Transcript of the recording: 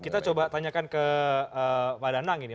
kita coba tanyakan ke pak danang ini